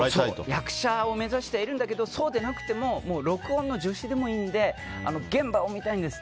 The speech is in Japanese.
役者を目指しているんだけどそうでなくても録音の助手でもいいので現場を見たいんです